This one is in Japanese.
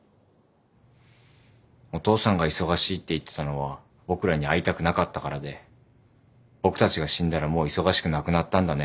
「お父さんが忙しいって言ってたのは僕らに会いたくなかったからで僕たちが死んだらもう忙しくなくなったんだね」